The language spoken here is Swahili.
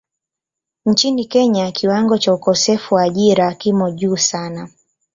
Nchini Kenya kiwango cha ukosefu wa ajira kimo juu sana.